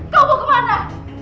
kau mau kemana